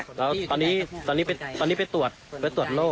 แล้วตอนนี้ไปตรวจโลก